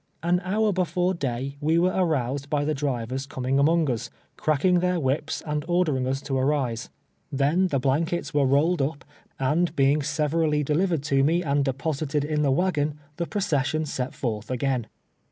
An hour before day we were aroused by the drivers com ing among lis, cracking their whips and ordering us to arise. Then the blankets were rolled up, and be MARCH TO ST. MARy's PARISH. 193 iiig severally delivered to me and deposited in the .wagon, tlie procession set forth again.